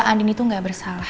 ani itu gak bersalah